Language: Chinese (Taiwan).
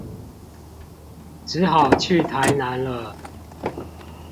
只好去台南了